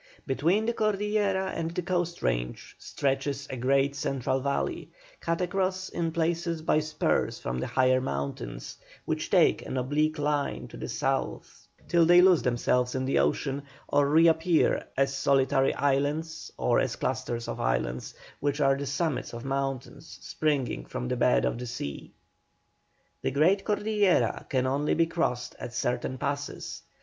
Between the Cordillera and the coast range stretches a great central valley, cut across in places by spurs from the higher mountains, which take an oblique line to the south till they lose themselves in the ocean, or reappear as solitary islands or as clusters of islands, which are the summits of mountains springing from the bed of the sea. The great Cordillera can only be crossed at certain passes.